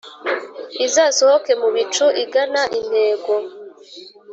izasohoke mu bicu igana intego.